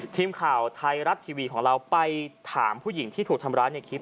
ทีมข่าวไทยรัฐทีวีของเราไปถามผู้หญิงที่ถูกทำร้ายในคลิป